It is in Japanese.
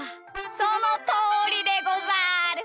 そのとおりでござる！